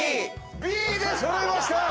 Ｂで揃いました！